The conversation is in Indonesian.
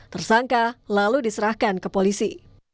tersangka lalu diserahkan ke polisi